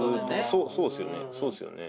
そうそうですよね